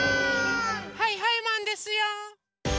はいはいマンですよ！